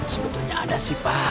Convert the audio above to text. sebetulnya ada sih pak